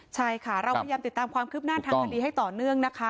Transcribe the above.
ใช่ค่ะเราพยายามติดตามความคืบหน้าทางคดีให้ต่อเนื่องนะคะ